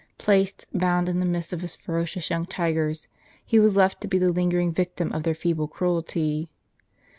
Placed, bound, in the midst of his ferocious young tigers, he was left to be the lingering victim of their feeble cruelty.